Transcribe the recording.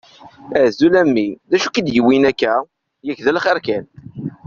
Azul a mmi! D acu i k-id-yuwin akka? Yak d lxir kan.